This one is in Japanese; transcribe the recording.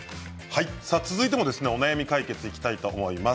続いてもお悩み解決いきたいと思います。